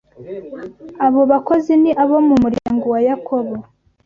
Abo bakozi ni abo mu muryango wa Yakobo